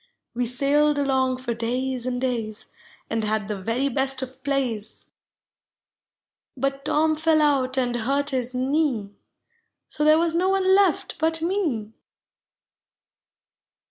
We sailed along for days and days, And had the very best of plays; But Tom fell out and hurt his knee, So there was no one left but me.